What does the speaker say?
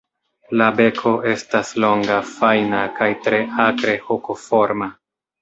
La beko estas longa, fajna, kaj tre akre hokoforma.